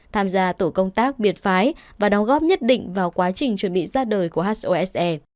tham gia tổ công tác biệt phái và đóng góp nhất định vào quá trình chuẩn bị ra đời của hose